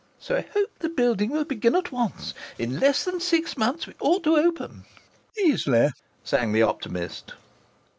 "So I hope the building will begin at once. In less than six months we ought to open." "Easily!" sang the optimist.